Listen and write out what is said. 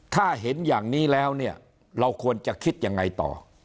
ถ้าเห็นอย่างนี้แล้วเนี่ยเราควรจะคิดยังไงต่อ